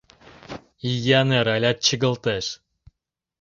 Ия нер алят чыгылтеш...